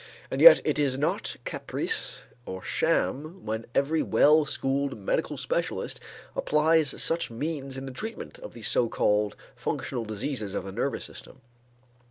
And yet it is not caprice or sham when every well schooled medical specialist applies such means in the treatment of these so called functional diseases of the nervous system.